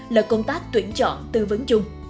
là công tác tuyển chọn tư vấn chung